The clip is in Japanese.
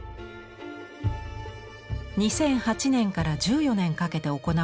２００８年から１４年かけて行われた大修理。